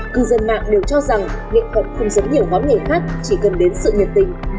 cư dân mạng đều cho rằng nghệ thuật không giống nhiều món nghề khác chỉ cần đến sự nhiệt tình